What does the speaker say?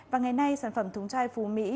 và ngày nay sản phẩm thúng chay phú mỹ